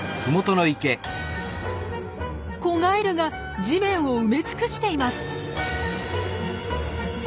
子ガエルが地面を埋め尽くしています！